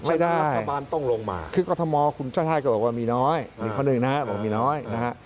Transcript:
ไม่ได้คือกอทมคุณช่วยท่านก็บอกว่ามีน้อย